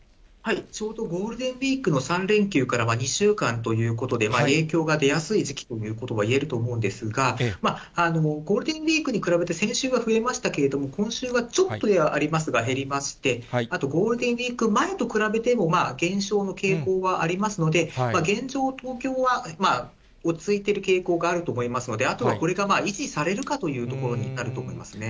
ちょうどゴールデンウィークの３連休からは２週間ということで、影響が出やすい時期ということがいえると思うんですが、ゴールデンウィークに比べて、先週は増えましたけれども、今週はちょっとではありますが、減りまして、あとゴールデンウィーク前と比べても、減少の傾向はありますので、現状、東京は落ち着いている傾向があると思いますので、あとはこれが維持されるかというところになると思いますね。